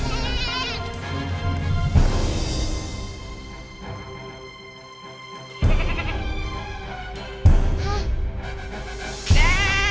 ini kejadian banteng